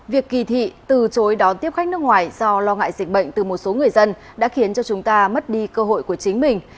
việc kỳ thị từ chối đón tiếp khách nước ngoài do lo ngại dịch bệnh từ một số người dân đã khiến cho chúng ta mất đi cơ hội của chính mình